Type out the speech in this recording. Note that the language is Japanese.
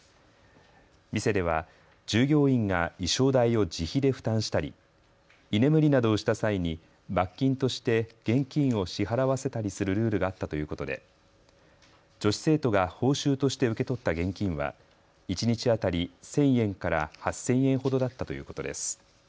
店では従業員が衣装代を自費で負担したり居眠りなどをした際に罰金として現金を支払わせたりするルールがあったということで女子生徒が報酬として受け取った現金は一日当たり１０００円から８０００円ほどだったということです。